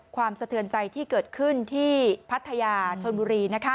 สะเทือนใจที่เกิดขึ้นที่พัทยาชนบุรี